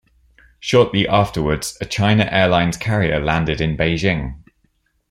Shortly afterwards, a China Airlines carrier landed in Beijing.